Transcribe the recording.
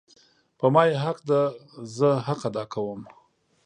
په ما یی حق ده زه حق ادا کوم